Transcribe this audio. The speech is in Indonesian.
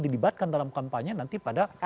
dilibatkan dalam kampanye nanti pada